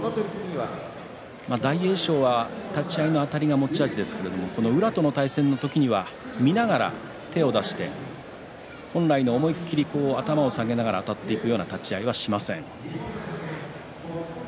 大栄翔は立ち合いのあたりが持ち味ですけれども宇良との対戦では見ながら手を出して本来の思い切り頭を下げながらあたっていくような立ち合いはしません。